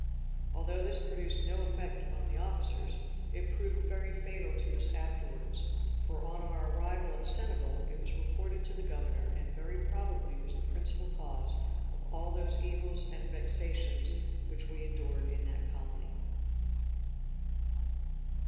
Although this produced no effect upon the officers, it proved very fatal to us afterwards; for, on our arrival at Senegal, it was reported to the Governor, and very probably was the principal cause of all those evils and vexations which we endured in that colony.